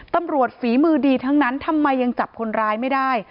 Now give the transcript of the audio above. ฝีมือดีทั้งนั้นทำไมยังจับคนร้ายไม่ได้